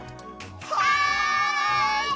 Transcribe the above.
はい！